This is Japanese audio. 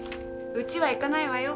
うちは行かないわよ。